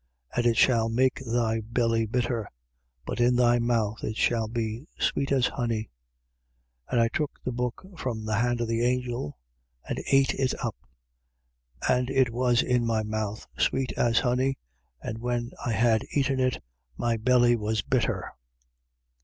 And it shall make thy belly bitter: but in thy mouth it shall be sweet as honey. 10:10. And I took the book from the hand of the angel and ate it up: and it was in my mouth, sweet as honey. And when I had eaten it, my belly was bitter.